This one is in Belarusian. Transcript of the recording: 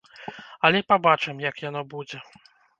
Але пабачым як яно будзе.